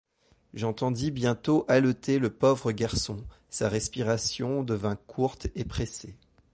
J’entendis bientôt haleter le pauvre garçon ; sa respiration devint courte et pressée.